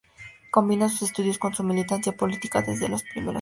Combina sus estudios con su militancia política desde los primeros años.